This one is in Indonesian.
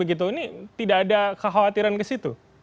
ini tidak ada kekhawatiran ke situ